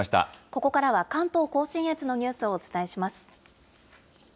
ここからは関東甲信越のニュースをお伝えします。